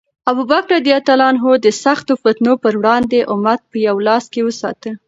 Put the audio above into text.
ابوبکر رض د سختو فتنو پر وړاندې امت په یو لاس کې وساته.